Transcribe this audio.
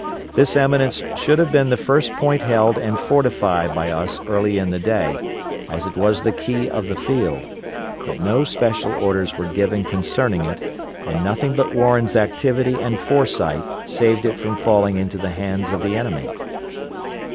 This eminence should have been the first point held and fortified by us early in the day, as it was the key of the field, but no special orders were given concerning it and nothing but Warren's activity and foresight saved it from falling into the hands of the enemy.